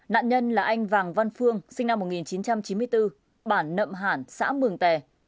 nạn nhân là anh vàng văn phương sinh năm một nghìn chín trăm chín mươi bốn bản nậm hản xã mường tè